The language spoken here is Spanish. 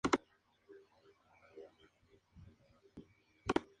Habita en el nordeste de Argentina, sur de Brasil, sur de Paraguay y Uruguay.